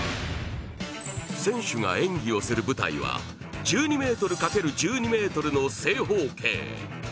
選手が演技をする舞台は１２ｍ×１２ｍの正方形。